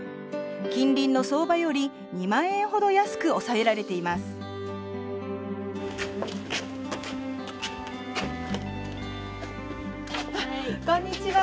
近隣の相場より２万円ほど安く抑えられていますこんにちは。